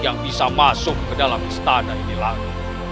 yang bisa masuk ke dalam istana ini lagi